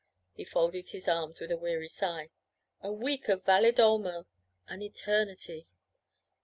He folded his arms with a weary sigh. 'A week of Valedolmo! An eternity!'